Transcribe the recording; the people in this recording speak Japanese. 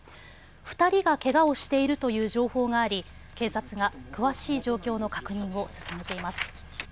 ２人がけがをしているという情報があり警察が詳しい状況の確認を進めています。